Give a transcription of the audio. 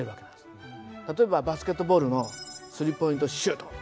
例えばバスケットボールのスリーポイントシュートね。